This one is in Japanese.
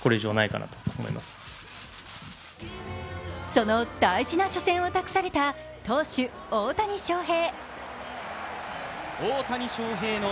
その大事な初戦を託された投手・大谷翔平。